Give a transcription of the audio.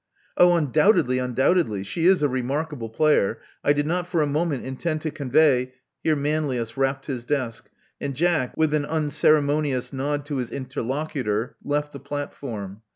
'*Oh, undoubtedly, undoubtedly! She is a remark able player. I did not for a moment intend to convey " Here Manlius rapped his desk; and Jack, with a unceremonious nod to his interlocutor, left the platform.